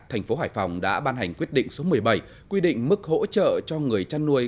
thành phố hải phòng đã ban hành quyết định số một mươi bảy quy định mức hỗ trợ cho người chăn nuôi